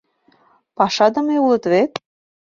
Пашадыме улыт вет!